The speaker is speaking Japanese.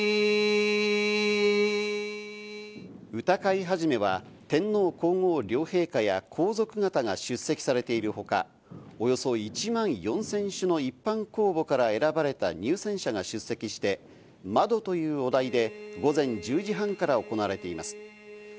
歌会始は天皇皇后両陛下や皇族方が出席されているほか、およそ１万４０００首の一般公募から選ばれた入選者が出席して「窓」というお題で午前１０時半から行われています。